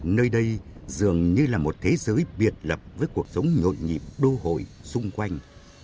nơi đây dường như là một thế giới biệt lập với cuộc sống nhộn nhịp đô hội xung quanh